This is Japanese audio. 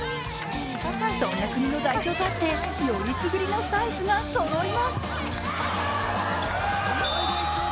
そんな国の代表とあってよりすぐりのサイズがそろいます。